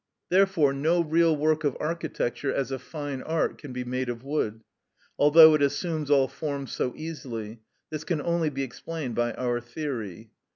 Therefore no real work of architecture as a fine art can be made of wood, although it assumes all forms so easily; this can only be explained by our theory.